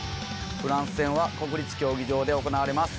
フランス戦は国立競技場で行われます。